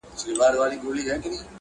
چي د تاج دي سو دښمن مرګ یې روا دی!